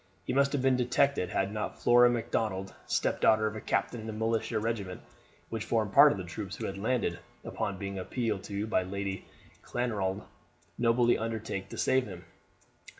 He must have been detected had not Flora Macdonald stepdaughter of a captain in a militia regiment which formed part of the troops who had landed upon being appealed to by Lady Clanranald, nobly undertaken to save him.